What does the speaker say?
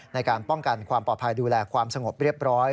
ในการป้องกันความปลอดภัยดูแลความสงบเรียบร้อย